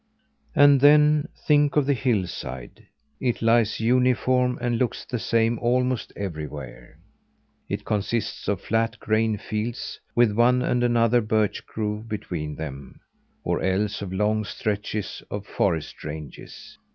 And then think of the hillside! It lies uniform, and looks the same almost everywhere. It consists of flat grain fields, with one and another birch grove between them; or else of long stretches of forest ranges.